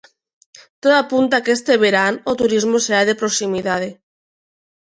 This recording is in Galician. Todo apunta que este verán o turismo será de proximidade.